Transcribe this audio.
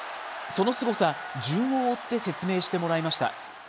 そのすごさ、順を追って説明してもらいました。